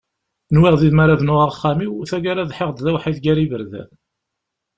Nwiɣ yid-m ara bnuɣ axxam-iw, tagara ḍḥiɣ-d d awḥid ger iberdan.